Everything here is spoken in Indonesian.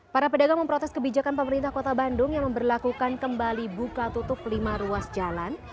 para pedagang memprotes kebijakan pemerintah kota bandung yang memperlakukan kembali buka tutup lima ruas jalan